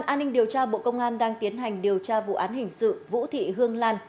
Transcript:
an ninh điều tra bộ công an đang tiến hành điều tra vụ án hình sự vũ thị hương lan